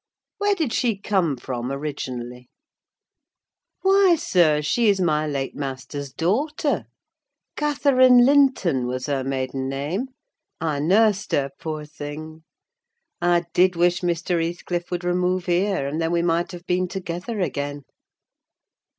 "Where did she come from originally?" "Why, sir, she is my late master's daughter: Catherine Linton was her maiden name. I nursed her, poor thing! I did wish Mr. Heathcliff would remove here, and then we might have been together again."